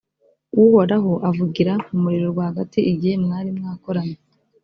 uhoraho avugira mu muriro rwagati, igihe mwari mwakoranye.